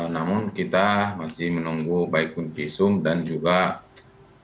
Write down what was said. namun kita masih menunggu baik baiknya pisum dan juga penelitian